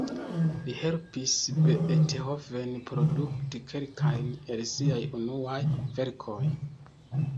Li helpis Beethoven produkti kelkajn el siaj unuaj verkoj.